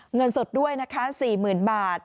เงินสดด้วยนะคะ๔๐๐๐บาท